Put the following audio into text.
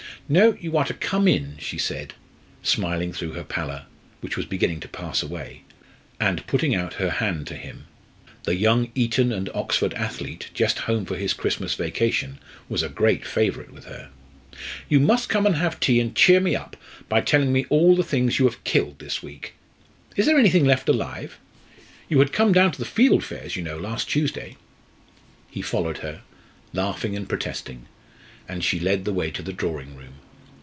"No; you are to come in!" she said, smiling through her pallor, which was beginning to pass away, and putting out her hand to him the young Eton and Oxford athlete, just home for his Christmas vacation, was a great favourite with her "You must come and have tea and cheer me up by telling me all the things you have killed this week. Is there anything left alive? You had come down to the fieldfares, you know, last Tuesday." He followed her, laughing and protesting, and she led the way to the drawing room.